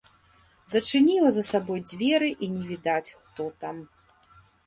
Зачыніла за сабою дзверы, і не відаць, хто там.